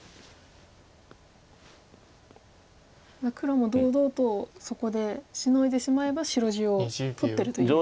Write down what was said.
黒も堂々とそこでシノいでしまえば白地を取ってるというか。